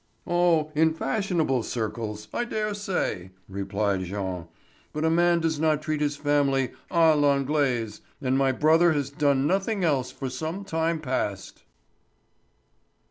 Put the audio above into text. "Oh, in fashionable circles, I dare say," replied Jean. "But a man does not treat his family à l'Anglaise, and my brother has done nothing else for some time past."